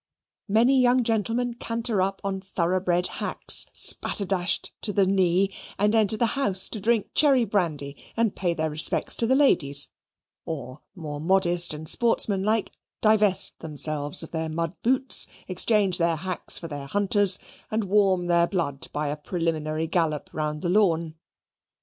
Many young gentlemen canter up on thoroughbred hacks, spatter dashed to the knee, and enter the house to drink cherry brandy and pay their respects to the ladies, or, more modest and sportsmanlike, divest themselves of their mud boots, exchange their hacks for their hunters, and warm their blood by a preliminary gallop round the lawn.